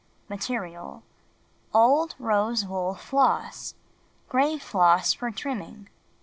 Material: Old rose wool floss. Gray floss for trimming.